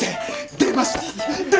出ましたよ！